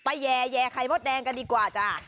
ไปแยะแยะไข่มอดแดงกันดีกว่าจ้ะ